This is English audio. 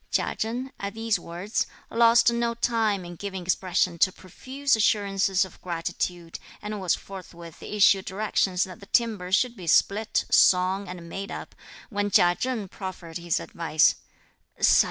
Chia Chen, at these words, lost no time in giving expression to profuse assurances of gratitude, and was forthwith issuing directions that the timber should be split, sawn and made up, when Chia Cheng proffered his advice.